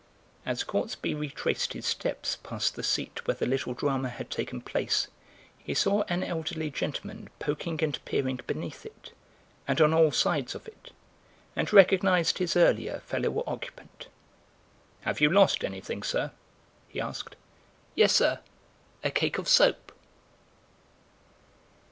As Gortsby retraced his steps past the seat where the little drama had taken place he saw an elderly gentleman poking and peering beneath it and on all sides of it, and recognised his earlier fellow occupant. "Have you lost anything, sir?" he asked. "Yes, sir, a cake of soap."